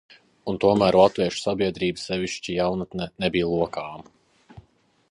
Un tomēr, latviešu sabiedrība, sevišķi jaunatne, nebija lokāma.